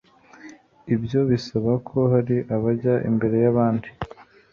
ibyo bisaba ko hari abajya imbere y'abandi